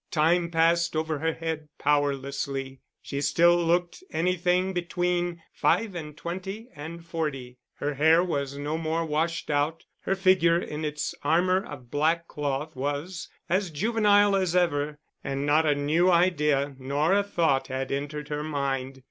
Time passed over her head powerlessly; she still looked anything between five and twenty and forty, her hair was no more washed out, her figure in its armour of black cloth was as juvenile as ever; and not a new idea nor a thought had entered her mind.